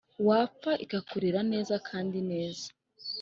wapfa ikakurerera neza kandi neza ,